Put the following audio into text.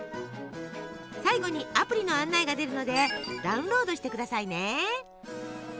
最後にアプリの案内が出るのでダウンロードしてくださいね。